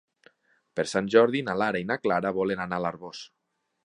Per Sant Jordi na Lara i na Clara volen anar a l'Arboç.